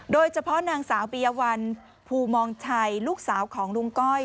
โดยเฉพาะนางสาวปียวัลภูมองชัยลูกสาวของลุงก้อย